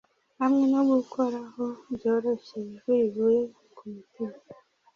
hamwe no gukoraho byoroshye, ijwi rivuye ku mutima